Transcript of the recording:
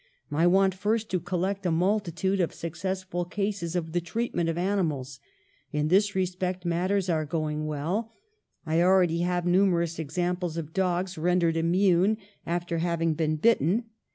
I want first to collect a multi tude of successful cases of the treatment of ani mals. In this respect matters are going well. I already have numerous examples of dogs ren dered immune after having been bitten.